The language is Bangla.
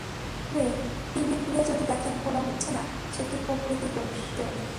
তবে টিভি খুলে যদি দেখেন খেলা হচ্ছে না, সেটি প্রকৃতির দোষ।